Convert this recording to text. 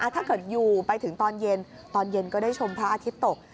ถ้าเกิดอยู่ไปถึงตอนเย็นตอนเย็นก็ได้ชมพระอาทิตย์ตก